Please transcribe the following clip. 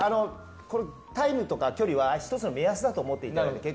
タイムとか距離は１つの目安と思っていただいて。